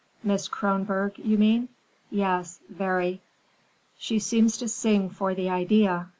'Miss Kronborg, you mean? Yes, very. She seems to sing for the idea.